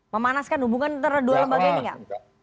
memanaskan hubungan antara dua lembaga ini gak